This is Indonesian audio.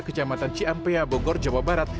kecamatan ciampea bogor jawa barat